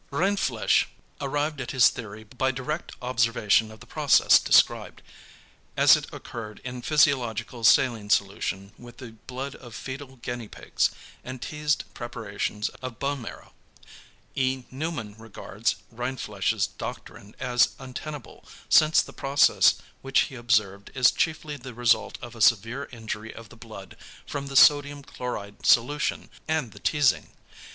Rindfleisch arrived at his theory by direct observation of the process described, as it occurred in physiological saline solution with the blood of foetal guinea pigs and teased preparations of bone marrow. E. Neumann regards Rindfleisch's doctrine as untenable, since the process which he observed is chiefly the result of a severe injury of the blood from the sodium chloride solution and the teasing.